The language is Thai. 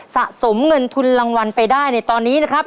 สะสมเงินทุนรางวัลไปได้ในตอนนี้นะครับ